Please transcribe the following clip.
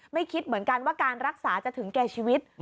คิดเหมือนกันว่าการรักษาจะถึงแก่ชีวิต